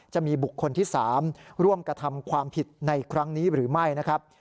จะมีบุคคลที่๓ร่วมกระทำความผิดในครั้งนี้หรือไม่นะครับ